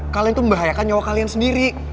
kalian itu membahayakan nyawa kalian sendiri